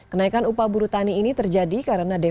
kenaikan upah buruh tani ini terjadi karena dki